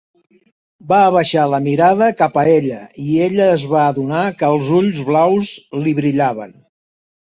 Va abaixar la mirada cap a ella, i ella es va adonar que els ulls blaus li brillaven.